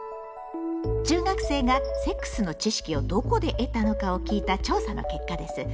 中学生がセックスの知識をどこで得たのかを聞いた調査の結果です。